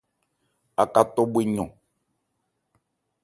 Aka tɔ bhwe yɔn.